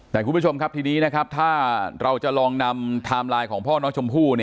แต่คุณผู้ชมครับทีนี้นะครับถ้าเราจะลองนำไทม์ไลน์ของพ่อน้องชมพู่